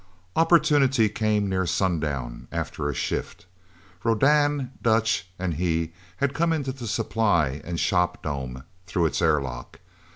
Opportunity came near sundown, after a shift. Rodan, Dutch, and he had come into the supply and shop dome, through its airlock.